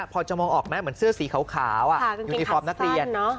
พอจะมองออกไหมเหมือนเสื้อสีขาวยูนิฟอร์มนักเรียน